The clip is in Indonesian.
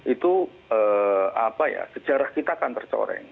itu sejarah kita akan tercoreng